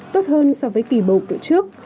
tốt hơn so với kỳ bầu cử trước